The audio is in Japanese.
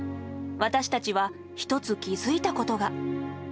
私たちは１つ気づいたことが。